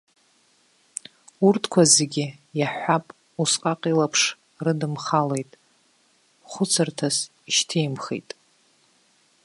Урҭқәа зегьы, иаҳҳәап, усҟак илаԥш рыдымхалеит, хәыцырҭас ишьҭимхит.